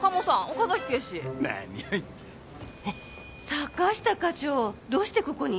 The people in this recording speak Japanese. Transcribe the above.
坂下課長どうしてここに？